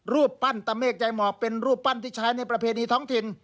รูปปั้นตะเมฆใจหมอกเป็นรูปปั้นที่ใช้ในประเพณีท้องถิ่น